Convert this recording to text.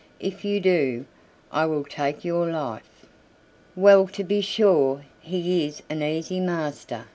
If you do, I will take your life." "Well to be sure, he is an easy master!"